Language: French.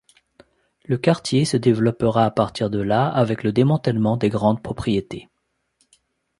Le quartier se développera à partir de là avec le démantèlement des grandes propriétés.